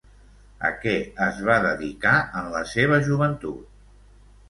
A què es va dedicar en la seva joventut?